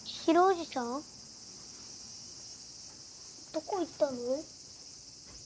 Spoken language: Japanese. どこ行ったの？